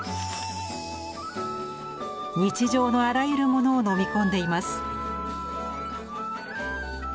日常のあらゆるものを飲み込んでいます。